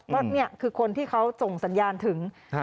ว่านี่คือคนที่เขาส่งสัญญาณถึง